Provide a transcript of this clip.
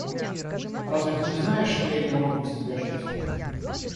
Разве ты не знаешь, что я не могу без тебя жить?